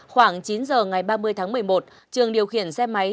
khoảng chín giờ ngày ba mươi tháng một mươi một trường điều khiển xe máy